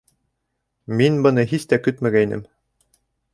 Мин быны һис тә көтмәгәйнем.